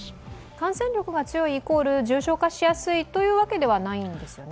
感染力が強いイコール重症化しやすいということではないんですよね？